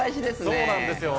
そうなんですよ。